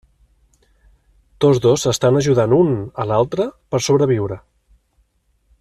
Tots dos s'estan ajudant un a l'altre per sobreviure.